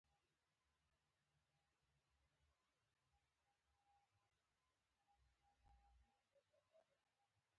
رسۍ د بوج د کشولو لپاره اړینه ده.